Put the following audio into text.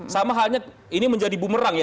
sama halnya ini menjadi bumerang ya